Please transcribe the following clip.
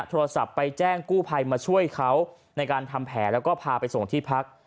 โทรศัพท์ไปแจ้งกู้ภัยมาช่วยเขาในการทำแผลแล้วก็พาไปส่งที่พัก